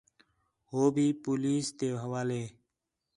ہو بھی پولیس تے حوالے